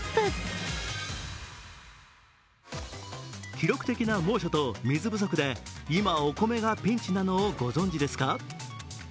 記録的な猛暑と水不足で、今、お米がピンチなのをご存じですか？